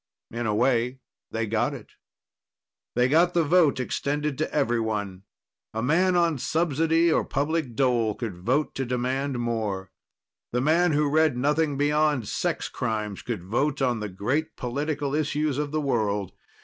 In a way, they got it. They got the vote extended to everyone. The man on subsidy or public dole could vote to demand more. The man who read of nothing beyond sex crimes could vote on the great political issues of the world.